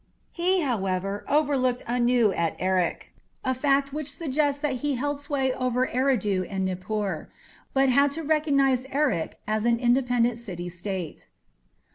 He, however, overlooked Anu at Erech, a fact which suggests that he held sway over Eridu and Nippur, but had to recognize Erech as an independent city state.